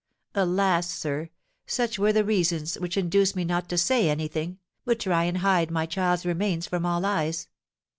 Alas! sir, such were the reasons which induced me not to say any thing, but try and hide my child's remains from all eyes.